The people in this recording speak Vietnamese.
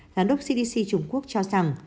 giám đốc cdc trung quốc cho rằng